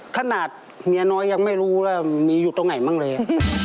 ขนาดเมียน้อยยังไม่รู้แล้วมีอยู่ตรงไหนบ้างเลย